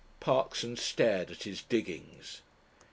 Parkson stared at his "diggings."